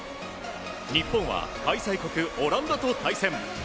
日本は開催国オランダと対戦。